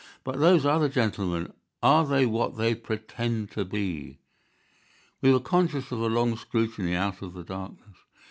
"But those other gentlemen, are they what they pretend to be?" We were conscious of a long scrutiny out of the darkness.